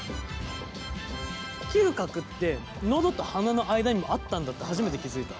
嗅覚って喉と鼻の間にもあったんだって初めて気付いた。